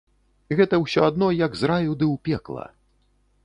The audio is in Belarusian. Гэта ўсё адно, як з раю ды ў пекла.